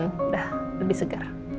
udah lebih segar